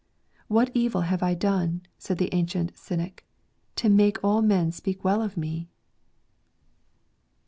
"What evil have I done," said the ancient Cynic, " to make all men speak well of me